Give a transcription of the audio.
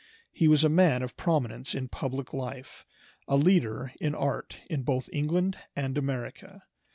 He was a man of prominence in public life, a leader in art in both England and America.